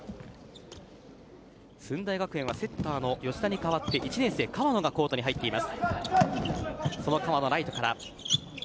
駿台学園はセッターの吉田に代わって１年生・川野がコートに入っています。